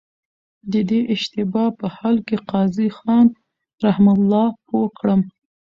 د دې اشتباه په حل کي قاضي خان رحمه الله پوه کړم.